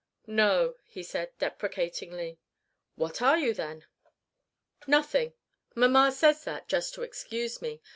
"No," he said, deprecatingly. "What are you, then?" "Nothing. Mamma says that, just to excuse me.